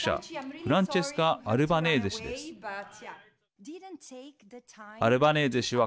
フランチェスカ・アルバネーゼ氏です。